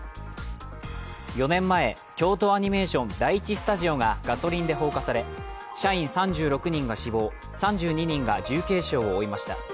４年前、京都アニメーション第１スタジオがガソリンで放火され社員３６人が死亡、３２人が重軽傷を負いました。